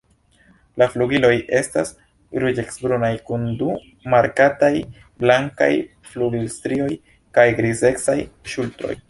La flugiloj estas ruĝecbrunaj kun du markataj blankaj flugilstrioj kaj grizecaj ŝultroj.